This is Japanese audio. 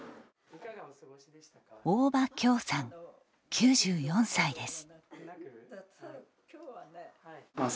大羽京さん、９４歳です。